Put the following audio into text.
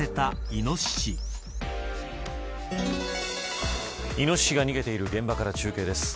イノシシが逃げている現場から中継です。